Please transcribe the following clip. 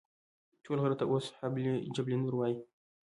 ټول غره ته اوس جبل نور وایي.